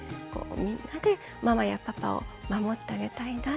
みんなでママやパパを守ってあげたいな。